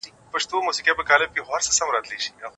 ښځه خپله پښه خوځوي ترڅو کوچنی ویده پاتې شي.